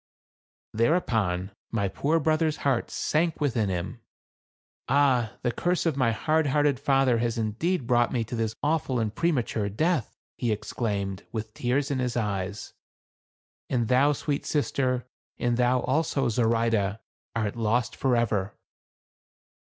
Thereupon my poor brother's heart sank within him. "Ah! the curse of my hard hearted father has indeed brought me to this awful and premature death," he exclaimed, with tears in his eyes; "and thou, sweet sister, and thou, also, Zoraide, art lost for ever."